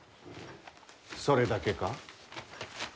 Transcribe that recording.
それだけか？